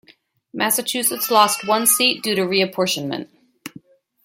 Massachusetts lost one seat due to reapportionment.